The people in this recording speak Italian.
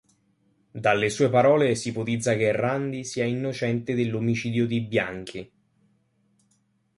Dalle sue parole ipotizza che Randi sia innocente dell'omicidio di Bianchi.